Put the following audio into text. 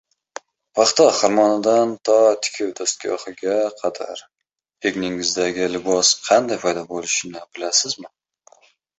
Paxta xirmonidan to tikuv dastgohiga qadar. Egningizdagi libos qanday paydo bo‘lishini bilasizmi?